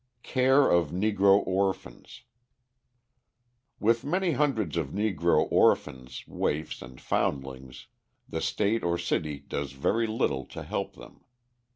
Care of Negro Orphans With many hundreds of Negro orphans, waifs, and foundlings, the state or city does very little to help them.